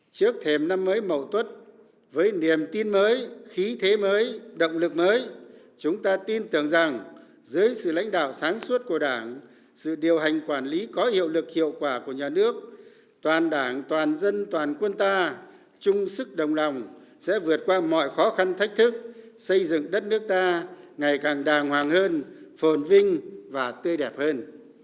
trước thềm năm mới mầu tuất với niềm tin mới khí thế mới động lực mới chúng ta tin tưởng rằng dưới sự lãnh đạo sáng suốt của đảng sự điều hành quản lý có hiệu lực hiệu quả của nhà nước toàn đảng toàn dân toàn quân ta chung sức đồng lòng sẽ vượt qua mọi khó khăn thách thức xây dựng đất nước ta ngày càng đàng hoàng hơn phồn vinh và tươi đẹp hơn